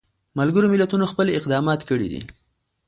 ملګرو ملتونو خپل اقدامات کړي دي.